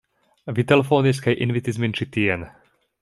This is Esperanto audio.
Vi telefonis kaj invitis min ĉi tien.